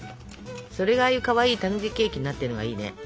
それがかわいいたぬきケーキになってるのがいいね。